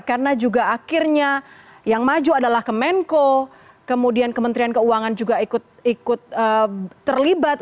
karena juga akhirnya yang maju adalah kemenko kemudian kementerian keuangan juga ikut terlibat